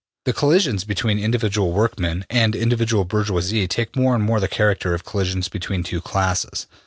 '' ``The collisions between individual workmen and individual bourgeois take more and more the character of collisions between two classes.